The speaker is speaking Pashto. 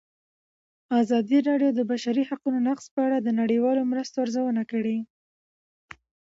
ازادي راډیو د د بشري حقونو نقض په اړه د نړیوالو مرستو ارزونه کړې.